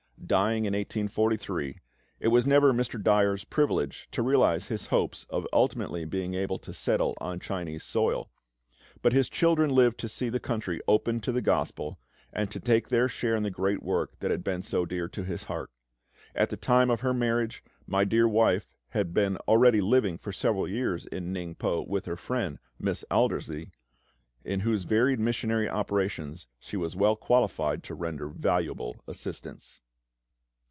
Dying in 1843, it was never Mr. Dyers privilege to realise his hopes of ultimately being able to settle on Chinese soil; but his children lived to see the country opened to the Gospel, and to take their share in the great work that had been so dear to his heart. At the time of her marriage, my dear wife had been already living for several years in Ningpo with her friend, Miss Aldersey, in whose varied missionary operations she was well qualified to render valuable assistance.